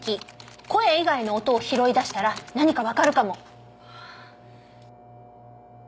声以外の音を拾い出したら何かわかるかも。